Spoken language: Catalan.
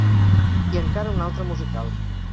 I encara un altre musical.